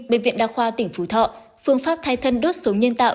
bệnh viện đa khoa tỉnh phú thọ phương pháp thay thân đốt súng nhân tạo